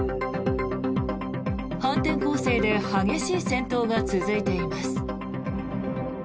反転攻勢で激しい戦闘が続いています。